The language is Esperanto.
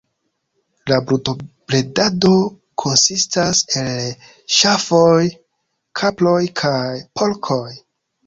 La brutobredado konsistas el ŝafoj, kaproj kaj porkoj.